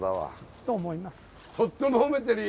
とっても褒めてるよ。